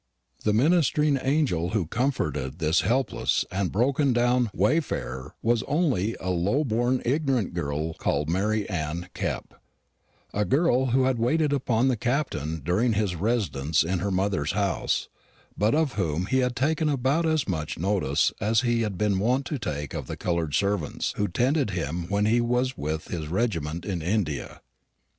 The ministering angel who comforted this helpless and broken down wayfarer was only a low born ignorant girl called Mary Anne Kepp a girl who had waited upon the Captain during his residence in her mother's house, but of whom he had taken about as much notice as he had been wont to take of the coloured servants who tended him when he was with his regiment in India.